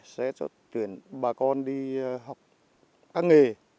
sẽ cho tuyển bà con đi học các nghề